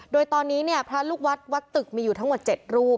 โดยตอนนี้เนี่ยพระลูกวัดวัดตึกมีอยู่ทั้งหมด๗รูป